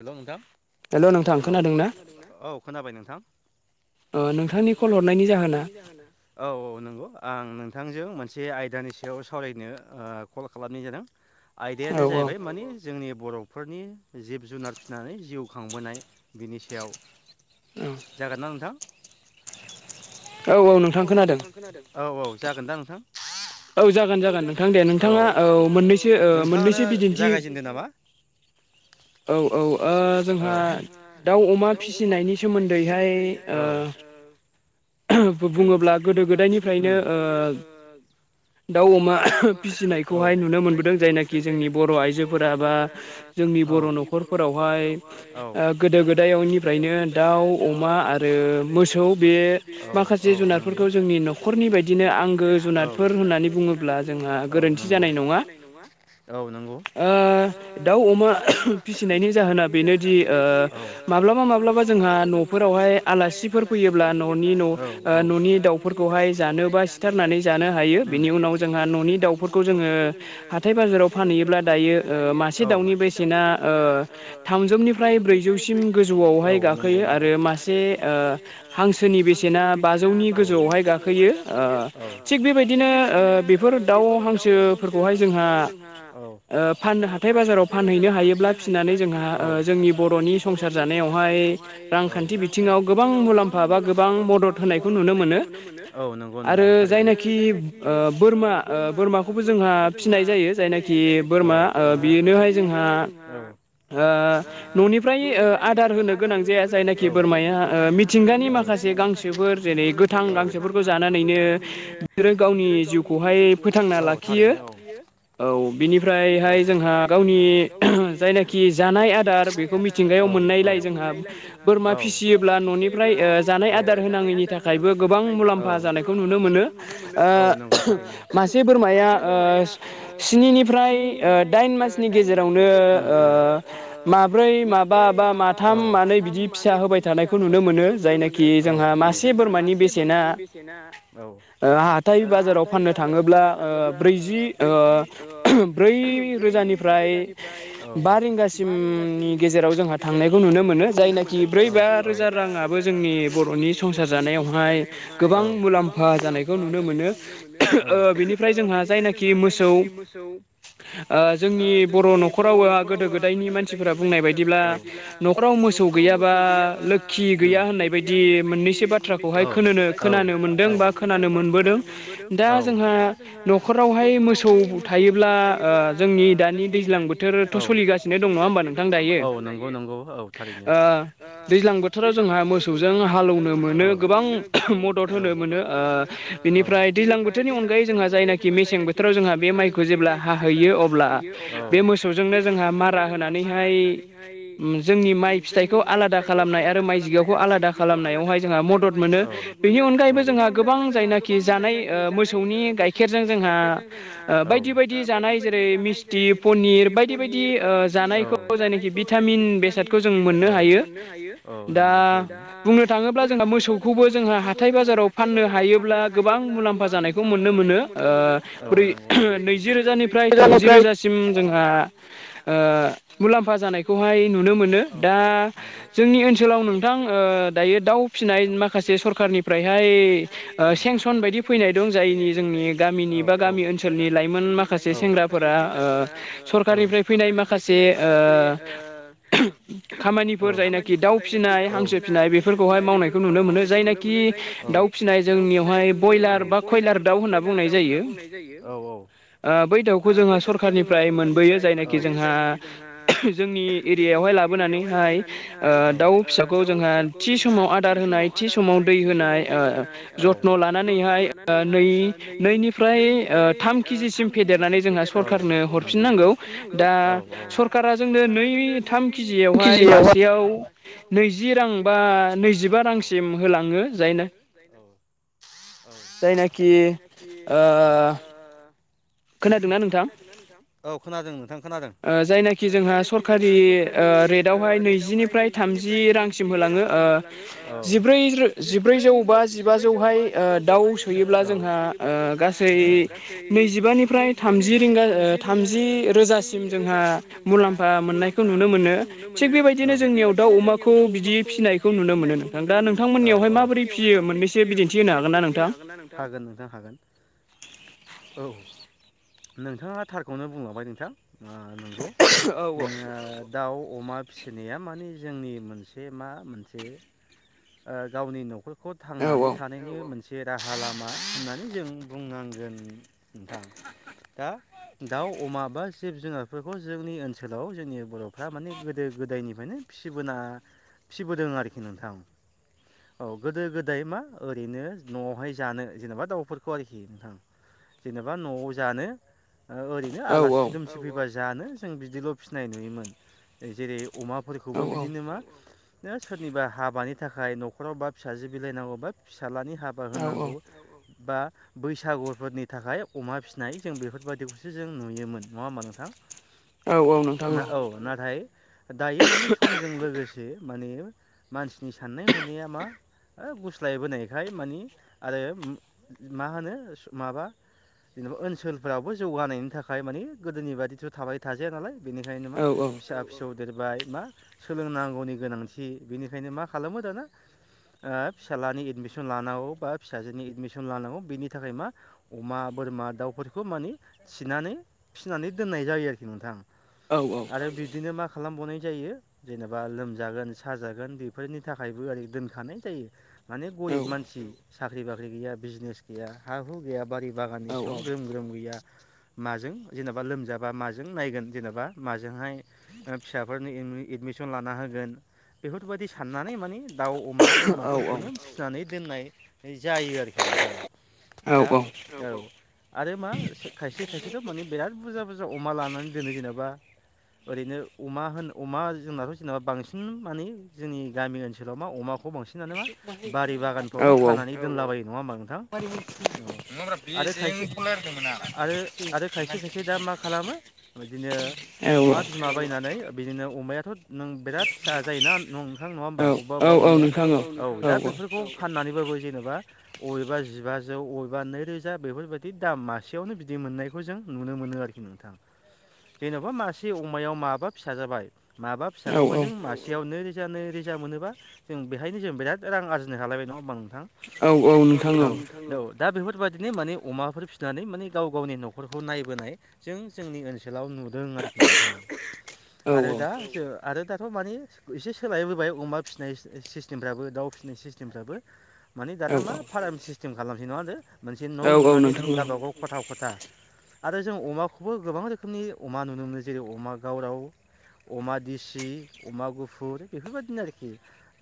Hello नोंथां hello खोनादों औ खोनाबाय नोंथां। नोंथांनि कल हरनायनि जाहोना औ औ नंगौ आं नोंथांजों मोनसे आयदानि सायाव सावरायनो कल खालामनाय जादों। आयदायानो जाहैबाय माने जोंनि बर'फोरनि जि जुनार फिसिनानै जिउ खांबोनाय बिनि सायाव। जागोनना नोंथां? औ औ नोंथां खोनादों। औ औ जागोन दा नोंथां? औ जागोन जागोन नोंथां दे नोंथाङा औ मोननैसो ओ मोननैसो बिदिन्थि [inaudible] औ औ जोंहा दाउ अमा फिसिनायनि सोमोन्दैहाय [inaudible] बुङोब्ला गोदो गोदायनिफ्रायनो ओ दाउ अमा फिसिनायखौहाय नुनो मोनबोदों जायनाखि जोंनि बर' आइजोफोरा बा जों जोंनि बर' न'खरफोरावहाय गोदो गोदायनिफ्रायनो दाउ अमा आरो मोसौ बे बे औ जे जुनारफोरखौ जोंनि न'खरनि बायदिनो आंगो जुनारफोर होननानै बुङोब्ला जोंहा गोरोन्थि जानाय नङा। गोरोन्थि जानाय नङा औ नंगौ दाउ अमा फिसिनायनि जाहोना ओ माब्लाबा मा‍ब्लाबा जोंहा न'फोरावहाय आलासिफोर फैयोब्ला न'नि न' न'नि दाउफोरखौहाय जानो बा सिथारनानै जानो हायो। बिनि उनाव जोंहा न'नि दाउफोरखौ जोङो हाथाय बाजाराव फानहैयोब्ला दायो ओ मासे दाउनि बेसेना ओ थामजौनिफ्राय ब्रैजौसिम गोजौआवहाय गाखोयो आरो मासे ओ हांसोनि बेसेना बा जौनि गोजौआवहाय गाखोयो। थिग बेबायदिनो बेफोर दाउ हांसो फोरखौहाय जोंहा फाननो हाथाय बाजाराव फानहैनो हायोब्ला फिनानै जोंहा बर'नि संसार जानायावहाय रांखान्थि बिथिङाव गोबां मुलाम्फा बा गोबां मदद [unintelligible] आरो होनायखौ जायनाखि ओ बोरमा ओ बोरमाखौबो जोंहा फिसिनाय जायो जायनाखि बोरमा बेनोहाय जोंहा ओ न'निफ्राय आदार होनो गोनां जाया जायनाखि बोरमाया मिथिंगानि माखासे माखासे गांसोफोर जेरै गोथां गांसोफोरखौ जानानैनो बिसोरो गावनि जिउखौहाय फोथांना लाखियो। [inaudible] औ बिनिफ्रायहाय जोंहा गावनि जायनाखि जानाय आदार बेखौ मिथिंगायाव मोननायलाय जोंहा बोरमा फिसियोब्ला न'निफ्राय जानाय आदार होनाङैनि थाखायबो गोबां मुलाम्फा जानायखौ नुनो मोनो। ओ मासे बोरमाया स्निनिफ्राय दाइन मासनि गेजेरावनो ओ माब्रै माबा बा माथाम मानै बिदि फिसा होबाय थानायखौ नुनो मोनो जायनाखि खो औ औ जायनाखि जोंहा मासे बोरमानि बेसेना औ ओ हाथाइ बाजाराव फाननो थाङोब्ला जि ओ ब्रैरोजानिफ्राय बा रिंगासिम नि गेजेराव जोंहा थांनायखौ नुनो मोनो जायनाखि ब्रै बा रोजा राङाबो जोंनि बर'नि सं सार जानायावहाय गोबां मुलाम्फा जानायखौ नुनो ओ बेनिफ्राय जोंहा जाय ओमफ्राय जोंहा जायनाखि मोसौ आ जोंनि बर' न'खराव गोदो गोदायनि मानसिफोरा बुंनाय बायदिब्ला न'खराव मोस सौ गैयाबा लोखि गैया होननाय बायद होननाय बायद निसो बाथ्राखौहाय खोनोनो खोनानो मोनदों बा खोनानो मोनबोदों दा जोंहा न'ख खरावहाय मोसौ थायोब्ला ओ जोंनि दानि दैज्लां बोथोरथ' स'लिगासिनो दं नङा [unintelligible] होमबा दं नङा होमबा नोंथां औ नंगौ नंगौ औ थारैनो आ दैज्लां बोथोराव सौजों हा हालौवनो मोनो गोबां मदद होनो मोनो आ बेनिफ्राय दैज्लां बोथोरनि अनगायै जोंहा जाय जायनाखि मेसें बोथोराव जोंहा बे माइखौ जेब्ला हाहैयो अब्ला बे मोसौजोंनो जोंहा मारा होन नानैहाय उम जोंनि माइ फिथाइखौ आलादा खालामनाय आरो माइ जिगाबखौ आलादा खालामनायावहाय जोंहा मदद मोनो बेनि अनगायैबो जोंहा गोबां जायनाखि जानाय आ मोसौनि गाय खेरजों जोंहा ओ बायदि बायदि जानाय जेरै मिस्ति पनिर बायदि बायदि ओ दि ओ-औ जानायखौ जायनाखि भिटामिन बेसादखौ औ जों मोननो हायो औ नंगौ थारैनो दा थाङोब्ला जोङा मोसौखौबो जोंहा हाथाइ बाजाराव फाननो हायोब्ला गोबां मुलाम्फा जानायखौ मोननो मोनो। ओ ब्रै नैजि रोजानिफ्राय थामजि रोजासिम जोंहा ओ मुलाम्फा जानायखौहाय नुनो मोनो दा जोंनि ओनसोलाव नोंथां [unintelligible] नोंथां दायो दाउ फिसिनाय माखासे सरखारनिफ्रायहाय ओ सेंसन बायदि फैनाय दं जायनि जोंनि नि गामिनि बा गामि ओनसोलनि लाइमोन माखासे सेंग्राफोरा आ सरखारनिफ्राय फैनाय माखास से ओ खामानिफोर जायनाखि दाउ फिसिनाय हांसो फिसिनाय बेफोरखौ खौहाय मावनायखौ नुनो मोनो जायनाखि दाउ फिनाय जोंनियावहाय बयलार बा कयलार दाउ होनना बुंनाय दाउ होनना बुंनाय जायो औ-औ आ बै दाउखौ जोंहा सरखारनिफ्राय मोनबोयो जायनाखि जोंहा जोंनि एरियायावहाय लाबोनानैहाय आ दाव फिसाखौ जोंहा थि समाव आदार होनाय थि समाव दै होनाय आ ओ जत्थन' लानानैहाय ओ नै नैनिफ्राय आ थाम केजिसिम फेदेरनानै जोंहा सरखारनो हरफिननांगौ दा सरकारा जोंनो नैयै थाम केजियावहाय मासेयाव नैजि रां बा जि रां बा औ नैजिबा रांसिम होलाङो जायना [unintelligible] औ जायनाखि औ आ खोनादोंना नोंथां औ खोनादों नोंथां खोनादों ओ जायनाखि जोंङो सरकारि आ रेदावहाय नैजिनिफ्राय थामजि रांसिम होलाङो। आ जिब्रै रो जिब्रैजौ बा जिबाजौहाय ओ दाउ सोयोब्ला जोंहा आ ओ गासै नैजिबानिफा फ्राय थामजि रिंगा ओ थामजि रोजासिम जोंहा मुलाम्फा मोननायखौ नुनो मोनो। नुनो मोनो औ थिग बेबायदिनो जोंनियाव दउ अमाखौ खौ बिदि फिसिनायखौ नुनो मोनो नोंथां औ-औ दा नोंथांमोननियावहाय माबोरै फियो मोननैसो बिदिन्थि होनो हागोन ना नोंथाङा हागोन नोंथां हागोन औ नोंथाङा थारखौनो बुङालांबाय नोंथां आ नंगौ आ दाउ अमा फिसिनाया माने जोंनि मोनसे मा मोनसे ओ गावनि न'खरखौ थांनानै थानायाव मोनसे एरा खालामा होननानै जों बुंनांगोन नोंथां दा दाउ अमा बा जिब जुनारफोरखौ जोंनि ओनसोलाव जोंनि बर'फ्रा माने गोदो गोदायनिफ्रायनो फिसिबोना फिबोदों आरोखि नोंथां औ गोदो गोदाय मा ओरैनो न'आवहाय जानो जेनेबा दाउफोरखौ आरोखि नोंथां जेनेबा न'आव जानो ओरैनो आलासि दुमसि फैबा जानो जों बिदिल' फिसिनाय नुयोमोन जेरै अमाफोरखौबो बिदिनो मा सोरनिबा हाबानि थाखाय न'खराव बा फिसाजो बिलायनांगौबा फिसाज्लानि हाबा होनांगौ बा बैसागुफोरनि थाखाय अमा फिसिनाय जों बेफोरबायदिखौसो जों नुयोमोन नङा होमबा नोंथां? औ नाथाय दायो माने समजों लोगोसे माने मानसिनि साननाय हनाया मा गुस्लायबोनायखाय मानि आरो मा होनो माबा जेनेबा ओनसोलफोरावबो जौगानायनि थाखाय मानि गोदोनि बायिथ' थाबाय थाजाया नालाय बेनिखायनो मा फिसा फिसौ देरबाय मा सोलोंनांगौनि गोनांथि बेनिखायनो मा खालामो दाना ओ फिसाज्लानि एदमिसन लानांगौ बा फिसाजोनि एदमिसन लानांगौ बेनि थाखाय मा अमा बोरमा, दाउफोरखौ माने थिनानै फिसिनानै दोननाय जायो आरोखि नोंथां। आरो बिबदिनो मा खालामबावनाय जायो जेनेबा लोम जागोन साजागोन बेफोरनि थाखायबो ओरै दोनखानाय जायो माने गरिब मानसि साख्रि बाख्रि गैया बिजनेस गैया हा हु गैया बारि बागाननिसिबां ग्रोम ग्रोम गैया माजों जेनेबा लोमजाबा माजों नायगोन जेनेबा मा जोंहाय फिसाफोरनि एदमिसन लाना होगोन बे फोरबायदि साननानै मानि दाउ, अमा, बोरमाफोरखौनो फिसिनानै दोननाय जायो आरोखि दा औ आरो मा खायसे खायसेथ' माने बिराद बुरजा बुरजा अमा लानानै दोनो जेनेबा ओरैनो अमा होन अमा जोंनाथ' जेनेबा बांसि न माने जोंनि गामि ओनसोलाव मा अमा खौ बांसिनानो मा बारि बागानफ्रावनो खानानै दोनलाबायो नङा हबा नोंथां? आरो खायसे आरो आरो खायसे खायसे दा मा खालामो बिदिनो अमा बिमा बायनानै बिदिनो अमाया फिसा जायोना नोंथां नङा होमबा अबेबा अबेबा अमाया औ दा बेफोरखौ फाननानैबाबो जेनेबा बबेबा जिबाजौ बबेबा नैरोजा बेफोरबायदि दाम मासेयावनो बिदि मोननायखौ जों नुनो मोनो आरोखि नोंथाङा जेन'बा मासे अमायाव माबा फिसा जाबाय माबा फिसाखौबो जों मासेयावनो नै रोजा मोनोबा जों बेहायनो जों बिराद रां आरजिनो हालायबाय नङा होनबा नोंथां? औ औ नोंथां औ दा बेफोरबायदिनो माने अमाफोर फिसिनानै माने गाव गावनि न'खरखौ नायबोनाय जों जोंनि ओनसोलाव नुदोंमोन नोंथां आरो दा थ' माने एसे सोलायबोबाय अमा फिसिनाय सिस्टेमफ्राबो दाउ फिसिनाय सिस्टेमफ्राबो माने दाना मा फार्म सिस्टेम खालामसै नङादो मोनसे न' लुनानै गावबागाव खथा ख था आरो जों अमाखौबो गोबां रोखोमनि अमा नुनो मोनो जेरै अमा गावराव अमा देसि अमा गुफुर बेफोरबायदिनो आरोखि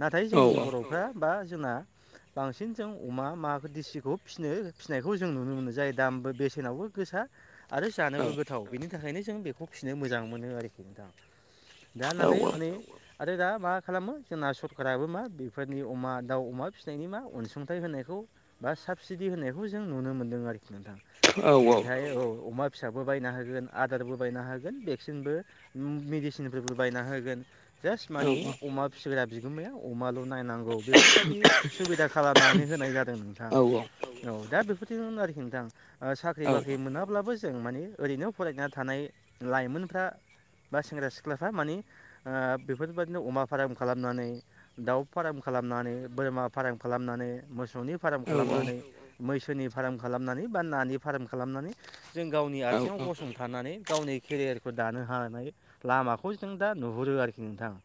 नाथाय जोंनि बर'फ्रा बा जोंहा बांसिन जों अमा मा दिसिखौ फिनो फिसिनायखौ जों नुनो मोनो जायो दामबो बेसेनावबो गोसा आरो जानोबो गोथाव बेनि थाखायनो जों बेखौ फिसिनो मोजां मोनो आरोखि दा नाथाय माने आरो दा मा खालामो जोंना सरकाराबो मा बेफोरनि अमा, दाउ, अमा फिसिनायनि मा अनसुंथाय अनसुंथाइ होनायखौ बा साबसिडि होनायखौ जों नुनो मोन्दों आरोखि नोंथां। जेरैहाय औ अमा फिसाबो बायना होगोन आदारबो बायना हागोन भेक्सिनबो मेडिसिनफोरबो बायना होगोन सेस मानि अमा फिग्रा बिगोमाया अमाल' नायनांगौ बेफोरबायदि सुबिदा खालामनानै होनाय जादों नोंथां। औ दा बेफोरदि आरोखि नोंथां ओ साख्रि बाख्रि मोनाब्लाबो जों माने ओरैनो फरायना थानाय लाइमोनफ्रा बा सेंग्रा-सिख्लाफ्रा मानि ओ बेफोरबायदिनो अमा फार्म खालामनानै दाउ फार्म खालामनानै बोरमा फाराम खालामनानै मोसौनि फार्म खालामनानै मैसोनि फार्म खालामनानै बा नानि फार्म खालामनानै गावनि आथिंआव गंथानानै गावनि केरियारखौ दानो हानाय लामाखौ जों दा नु हरो आरोखि नोंथाङा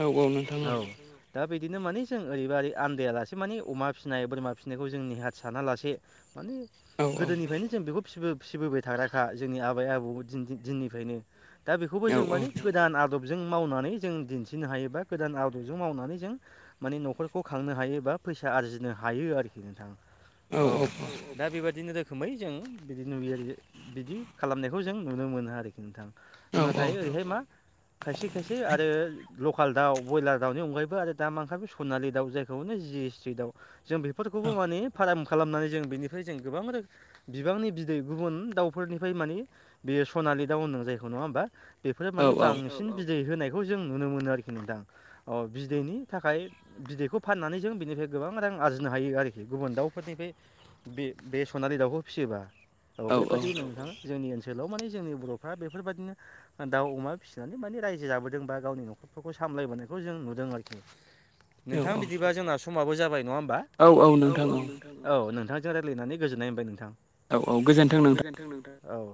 औ औ नोंथां औ दा बिदिनो माने जों ओरैबा ओरै आन्ददायालासे माने अमा फिसिनाय बोरमा फिसिनायखौ जों नेहाथ सानालासे माने गोदोनिफ्रायनो जों बेखौि फिबोबाय थाग्राखा जोंनि आबै-आबौ दिननिफ्रायनो दा बेखौबो जों माने गोदान आदब जों मावनानै जों दिन्थिनो हायोबा गोदान आदबजों मावनानै जों माने न'खरखौ खांनो हायोबा फैसा आरजिनो हायो आरोखि नोंथां औ दा बेबाय दिनो रोखोमै जों बिदि नुयो बिदि खालामनायखौ जों नुनो मोनो आरोखि नोंथां ना थाय ओरैहाय मा खायसे खायसे आरो लकाल दाउ बयलार दाउनि अनगायैबो आरो दा मा ओंखारबाय सनालि दाउ जायखौनो जि डिस्ट्रिक्टआव जों बेफोरखौबो माने फार्म खालामनानै जों बेनिफ्राय जों गोबां रोखोम बिबांनि बिदै गुबुन दाउफोरनिफ्राय मानि बेयो सनालि दाउ होन्दों जायखौ नङा होमबा बेफोरो माने बां बिदै होनायखौ जों नुनो मोनो आरोखि नोंथां अ बिदैनि थाखाय बिदैखौ फाननानै जों बिनिफ्राय बे गोबां रां आरजिनो हायो आरोखि गुबुन दाउफोरनिफ्राय बे बे सनालि दाउखौ फिसियोबा। औ बेबादि नोंथां जोंनि ओनसोलाव मानि जोंनि बर'फ्रा बेफोरबायदिनो दाउ अमा फि नानै माने रायजो जाबोदों बा गावनि न'खरफोरखौ सामलायबोनायखौ जों नुदों आरोखि। नोंथां बिदिबा जोंना समाबो जाबाय नङा बा [unintelligible] औ नोंथांजों रायज्लायनानै गोजोननाय होनबाय नोंथां। औ औ [unintelligible] औ